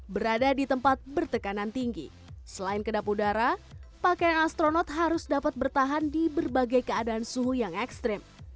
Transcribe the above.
berada di tempat bertekanan tinggi selain kedap udara pakaian astronot harus dapat bertahan di berbagai keadaan suhu yang ekstrim